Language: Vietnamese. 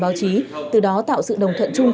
báo chí từ đó tạo sự đồng thận chung